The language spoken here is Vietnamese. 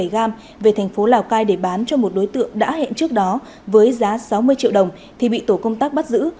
một mươi gram về thành phố lào cai để bán cho một đối tượng đã hẹn trước đó với giá sáu mươi triệu đồng thì bị tổ công tác bắt giữ